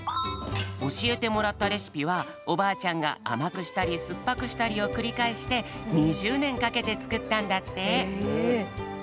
おしえてもらったレシピはおばあちゃんがあまくしたりすっぱくしたりをくりかえして２０ねんかけてつくったんだって。